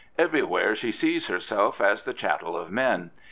Everywhere she sees herself the cha t tel of men.